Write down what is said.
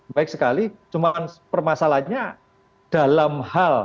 baik sekali cuma permasalahannya dalam hal